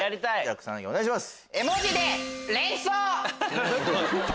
草薙お願いします。